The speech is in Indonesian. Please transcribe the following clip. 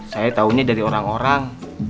saya tahunya dari orang orang